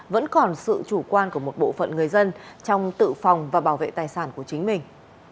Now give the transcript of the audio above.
vẫn còn sự chủ quan của một bộ phận người dân trong tự phòng và bảo vệ tài sản của chính mình